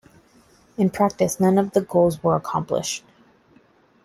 In practice, none of the goals were accomplished.